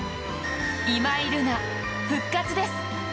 今井月、復活です。